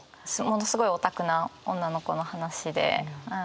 ものすごいオタクな女の子の話で。